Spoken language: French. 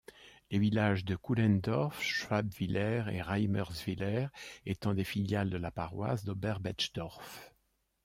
Les villages de Kuhlendorf, Schwabwiller et Reimerswiller étant des filiales de la paroisse d'Oberbetschdorf.